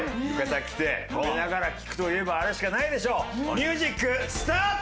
ミュージックスタート！